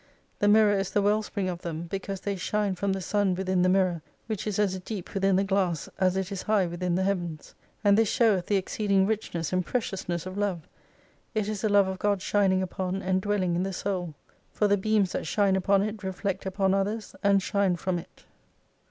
The mirror is the well spring of them, because they shine from the Sun within the mirror, which is as deep within the glass as it is high within the Heavens. And this showeth the exceeding richness and preciousness of love, it is the love of God shining upon, and dwelling in the Soul. For the beams that shine upon it reflect upon others and shine from it.